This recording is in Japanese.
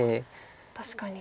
確かに。